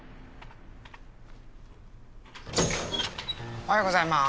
おはようございます。